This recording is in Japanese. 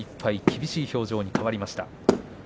厳しい表情に変わりました。